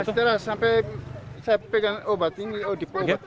ya masih terasa sampai saya pegang obat ini